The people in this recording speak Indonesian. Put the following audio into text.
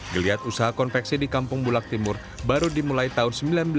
geliat usaha konveksi di kampung bulak timur baru dimulai tahun seribu sembilan ratus sembilan puluh